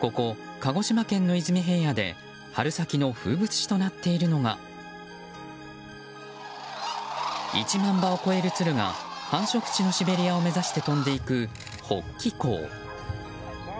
ここ、鹿児島県の出水平野で春先の風物詩となっているのが１万羽を超えるツルが繁殖地のシベリアを目指して飛んでいく北帰行。